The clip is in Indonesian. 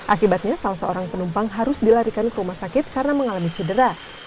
akibatnya salah seorang penumpang harus dilarikan ke rumah sakit karena mengalami cedera